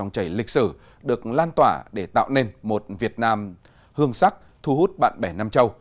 trong trầy lịch sử được lan tỏa để tạo nên một việt nam hương sắc thu hút bạn bè năm châu